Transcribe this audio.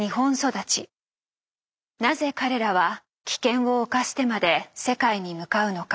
なぜ彼らは危険を冒してまで世界に向かうのか。